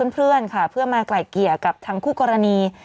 เพื่อนค่ะเพื่อมาไกล่เกลี่ยกับทางคู่กรณี